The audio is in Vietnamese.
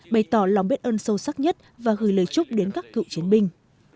bày tỏ lòng biết ơn sâu sắc nhất và gửi lời chúc đến các cựu chiến binh